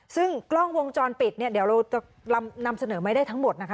ซึ่งกล้องวงจรปิดเนี่ยเดี๋ยวเราจะนำเสนอไม่ได้ทั้งหมดนะคะ